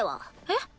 えっ？